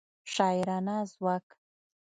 شاعرانه ځواک